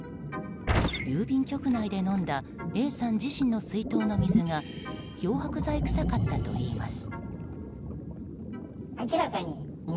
郵便局内で飲んだＡさん自身の水筒の水が漂白剤臭かったといいます。